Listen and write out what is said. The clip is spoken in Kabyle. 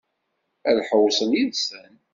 Ad tḥewwsem yid-sen?